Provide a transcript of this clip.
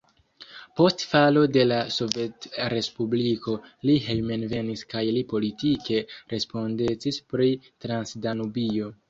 Post falo de la sovetrespubliko li hejmenvenis kaj li politike respondecis pri Transdanubio.